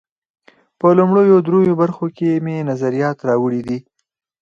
په لومړیو درېیو برخو کې مې نظریات راوړي دي.